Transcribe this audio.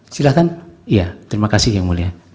silahkan iya terima kasih yang mulia